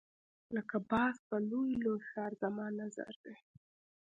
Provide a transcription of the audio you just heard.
لکه باز په لوی لوی ښکار زما نظر دی.